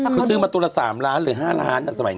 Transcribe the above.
เขาซื้อมาตัวละสามล้านหรือห้าร้านซักสมัยนั้น